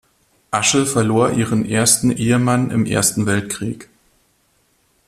Asche verlor ihren ersten Ehemann im Ersten Weltkrieg.